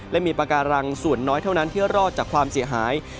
และมีปากการังส่วนน้อยเท่านั้นที่รอดจากความเสียหาย